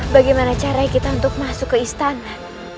bagaimana caranya kita untuk masuk ke istana